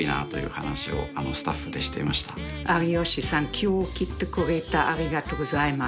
今日来てくれてありがとうございます。